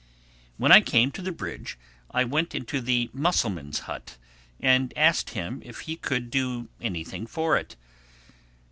When I came to the bridge I went into the mussel man's hut and asked him if he could do anything for it.